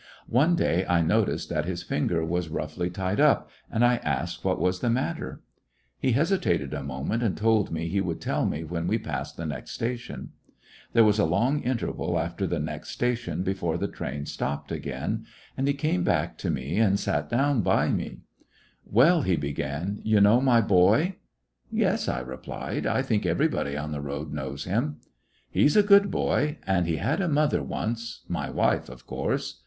One day I noticed that his finger was roughly tied up, and I asked what was the matter. He hesitated a moment, and told me he would tell me when we passed the next station. There was a long interval after the next station before the train stopped again, 160 ]j/lissionarY in i^ Great West and lie came back to me and sat down by me. "Well," lie began, "you know my boy!" "Yes," I replied, "I think everybody on the road knows him." "He 's a good boy, and he had a mother once— my wife, of course."